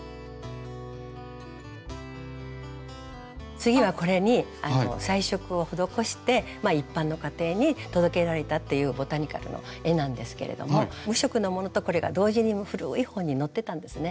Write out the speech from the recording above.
次はこれに彩色を施して一般の家庭に届けられたっていうボタニカルの絵なんですけれども無色のものとこれが同時に古い本に載ってたんですね。